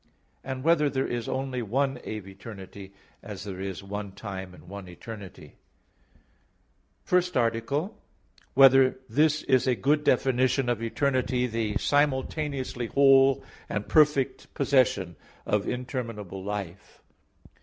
(6) Whether there is only one aeviternity, as there is one time, and one eternity? _______________________ FIRST ARTICLE [I, Q. 10, Art. 1] Whether This Is a Good Definition of Eternity, "The Simultaneously Whole and Perfect Possession of Interminable Life"?